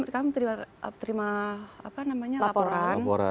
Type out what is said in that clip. kami terima laporan